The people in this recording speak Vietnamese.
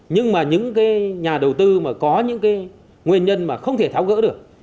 nhưng mà những cái nhà đầu tư mà có những cái nguyên nhân mà không thể tháo gỡ được